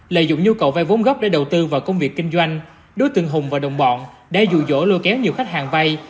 lợi dụng nhu cầu vay vốn gốc để đầu tư vào công việc kinh doanh đối tượng hùng và đồng bọn đã dụ dỗ lôi kéo nhiều khách hàng vay